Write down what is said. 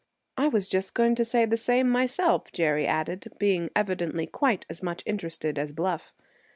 "I was just going to say the same myself," Jerry added, being evidently quite as much interested as Bluff.